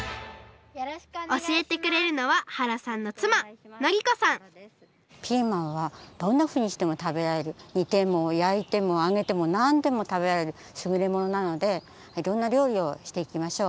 おしえてくれるのは原さんのつまピーマンはどんなふうにしてもたべられるにてもやいてもあげてもなんでもたべられるすぐれものなのでいろんな料理をしていきましょう。